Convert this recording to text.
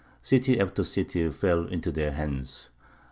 City after city fell into their hands.